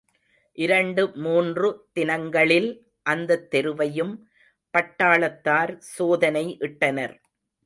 இரண்டு மூன்று தினங்களில் அந்தத் தெருவையும் பட்டாளத்தார் சோதனை இட்டனர்.